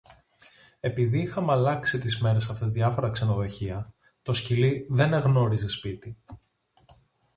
Επειδή είχαμε αλλάξει τις μέρες αυτές διάφορα ξενοδοχεία, το σκυλί δεν εγνώριζε σπίτι